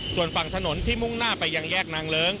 ส่วนฝั่งถนนที่มุ่งหน้าไปยังแยกนางเลิ้ง